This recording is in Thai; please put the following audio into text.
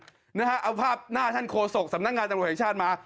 ทีมงานนะฮะเอาภาพหน้าท่านโคศกสำนักงานจังหลวงประเทศชาติมา